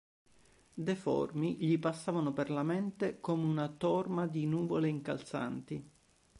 Deformi, gli passavano per la mente come una torma di nuvole incalzanti.